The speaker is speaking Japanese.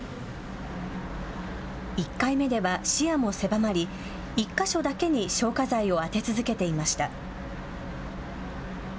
１回目では視野も狭まり１か所だけに消火剤を当て続けていました。